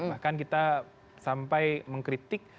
bahkan kita sampai mengkritik